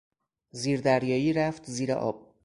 زیر دریایی رفت زیر آب.